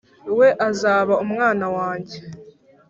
we azaba Umwana wanjye